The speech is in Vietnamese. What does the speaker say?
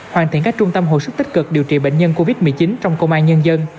hoàn thiện các trung tâm hồi sức tích cực điều trị bệnh nhân covid một mươi chín trong công an nhân dân